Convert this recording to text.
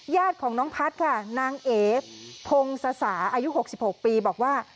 ญาติของน้องพัฒน์ค่ะนางเอพงศาอายุ๖๖ปีบอกว่า